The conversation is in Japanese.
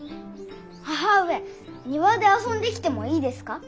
母上庭で遊んできてもいいですか。